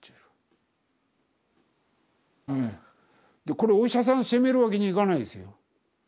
これお医者さん責めるわけにいかないですよ。